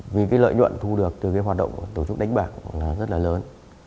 vì lợi nhuận thu được từ hoạt động tổ chức đánh bạc rất lớn